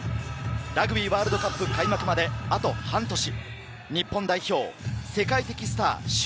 ラグビーワールドカップ開幕まであと半年。